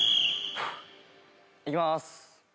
いきます。